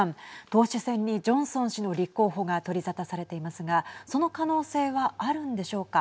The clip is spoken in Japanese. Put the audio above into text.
党首選にジョンソン氏の立候補が取り沙汰されていますがその可能性はあるんでしょうか。